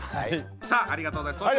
さあありがとうございました。